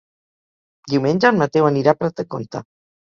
Diumenge en Mateu anirà a Prat de Comte.